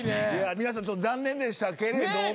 皆さん残念でしたけれども。